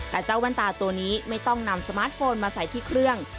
แต่เจ้าแว่นตาตัวนี้ไม่ต้องนำสมาร์ทโฟนมาใส่ที่เครื่อง